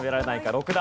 ６段。